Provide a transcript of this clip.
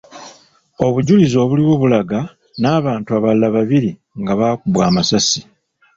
Obujulizi obuliwo bulaga n’abantu abalala babiri nga bakubwa amasasi .